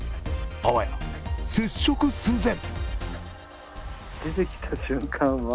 あわや、接触寸前。